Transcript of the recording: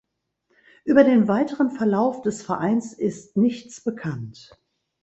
Über den weiteren Verlauf des Vereins ist nichts bekannt.